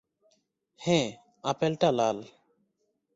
হ্যাঁ, আপেলটা লাল।